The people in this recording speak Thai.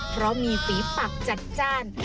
เพราะมีฝีปักจัดจ้าน